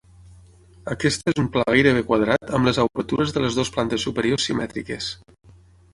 Aquesta és un pla gairebé quadrat amb les obertures de les dues plantes superiors simètriques.